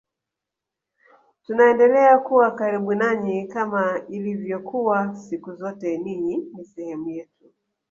Tunaendelea kuwa karibu nanyi kama ilivyokuwa siku zote ninyi ni sehemu yetu